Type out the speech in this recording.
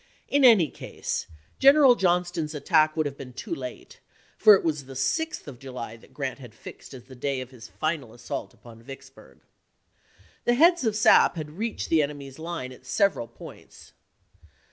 In any case G eneral Johnston's attack would have been too late, for it was the 6th of July that Grant had fixed as the day of his final assault upon Vicksburg. The heads of sap had reached the enemy's lines at several points.